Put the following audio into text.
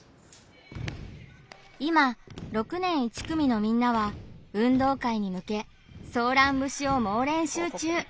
今６年１組のみんなは運動会に向けソーラン節を猛練習中。